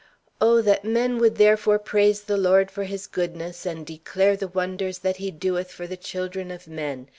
"O that men would therefore praise the Lord for His goodness: and declare the wonders that He doeth for the children of men!